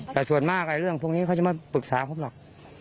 แต่ส่วนมากเรื่องพวกนี้เขาจะไม่ปรึกษาผมหรอก